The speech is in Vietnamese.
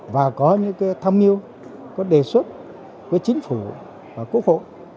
và có những tham mưu có đề xuất với chính phủ và quốc hội